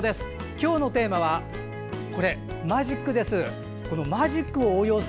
今日のテーマはこれマジックです。